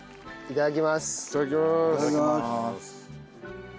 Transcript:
いただきます。